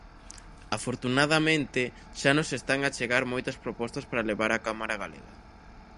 Afortunadamente, xa nos están a chegar moitas propostas para levar á Cámara galega.